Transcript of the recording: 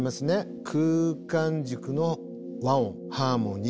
空間軸の和音ハーモニー。